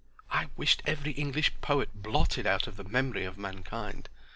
I wished every English poet blotted out of the memory of mankind.